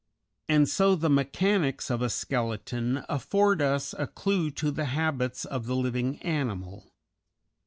And so the mechanics of a skeleton afford us a clew to the habits of the living animal.